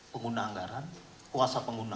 pengguna anggaran kuasa pengguna